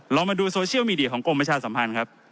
เรามาดูโซเชียลมีเดียของกรมประชาสัมพันธ์ครับ